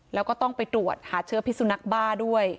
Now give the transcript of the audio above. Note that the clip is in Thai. แล้วก็ต้องไปตรวจหาเชื้อพิสุนักบ้าด้วย